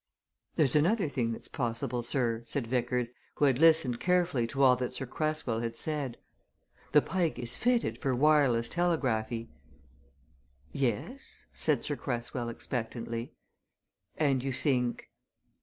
"There's another thing that's possible, sir," said Vickers, who had listened carefully to all that Sir Cresswell had said. "The Pike is fitted for wireless telegraphy." "Yes?" said Sir Cresswell expectantly. "And you think